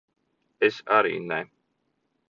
Es arī ne.